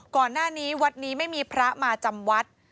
ก่อนหน้านี้วัดนี้ไม่มีพระมาจำวัด